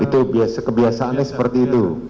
itu kebiasaannya seperti itu